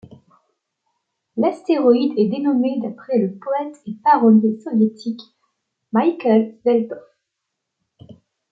L'astéroïde est dénommé d'après le poète et parolier soviétique Mikhaïl Svetlov.